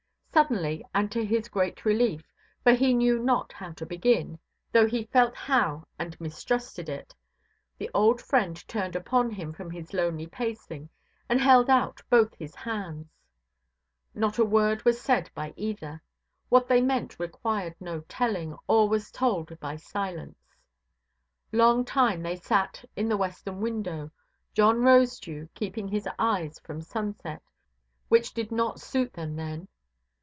Suddenly and to his great relief—for he knew not how to begin, though he felt how and mistrusted it—the old friend turned upon him from his lonely pacing, and held out both his hands. Not a word was said by either; what they meant required no telling, or was told by silence. Long time they sat in the western window, John Rosedew keeping his eyes from sunset, which did not suit them then.